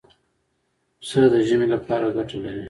پسه د ژمې لپاره ګټه لري.